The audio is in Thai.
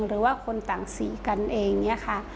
หรือว่าคนต่างสีกันเองเนี่ยค่ะ